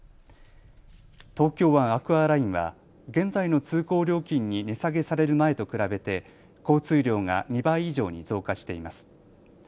東京湾アクアラインは現在の通行料金に値下げされる前と比べて交通量が２倍以上に増加しています。